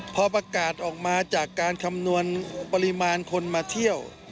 พอประกาศออกมาจากการคำนวณปริมาณคนมาเที่ยว